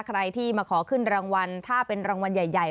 ใครที่มาขอขึ้นรางวัลถ้าเป็นรางวัลใหญ่